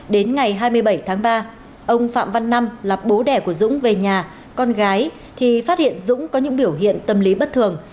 đến ngày hai mươi bảy tháng ba ông phạm văn năm là bố đẻ của dũng về nhà con gái thì phát hiện dũng có những biểu hiện tâm lý bất thường